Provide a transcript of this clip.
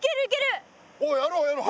おっやろうやろう。